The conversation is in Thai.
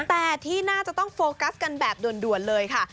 แต่ที่น่าจะต้องโฟกัสกันแบบด่วนเลยค่ะ